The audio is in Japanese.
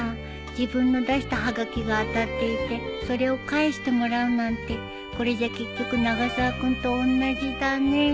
自分の出したはがきが当たっていてそれを返してもらうなんてこれじゃ結局永沢君とおんなじだね